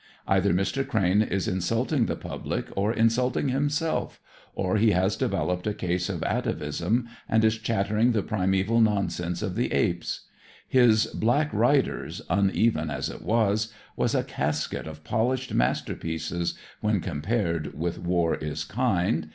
Either Mr. Crane is insulting the public or insulting himself, or he has developed a case of atavism and is chattering the primeval nonsense of the apes. His "Black Riders," uneven as it was, was a casket of polished masterpieces when compared with "War Is Kind."